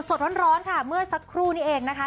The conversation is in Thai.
สดร้อนค่ะเมื่อสักครู่นี้เองนะคะ